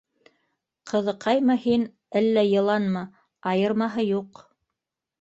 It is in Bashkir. Ҡыҙыҡаймы һин, әллә йыланмы —айырмаһы юҡ.